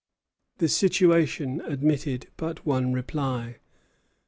The situation admitted but one reply.